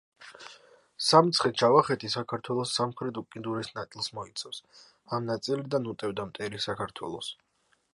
სამცხე-ჯავახეთი საქართველოს სამხრეთ უკიდურეს ნაწილს მოიცავ. ამ ნაწილიდან უტევდა მტერი საქართველოს.